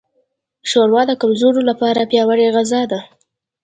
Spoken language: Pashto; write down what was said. ښوروا د کمزورو لپاره پیاوړې غذا ده.